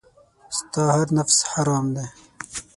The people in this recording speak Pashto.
ستا هر نفس حرام دی .